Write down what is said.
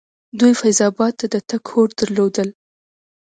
دوی فیض اباد ته د تګ هوډ درلودل.